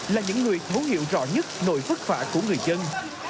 là những nguyệt môn hiệu rõ nhất nội phức phạm của người dân